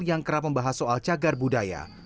yang kerap membahas soal cagar budaya